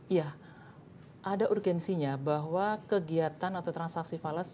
iya ada urgensinya bahwa kegiatan atau transaksi falas